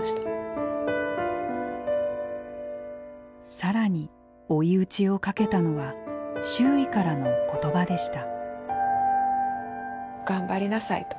更に追い打ちをかけたのは周囲からの言葉でした。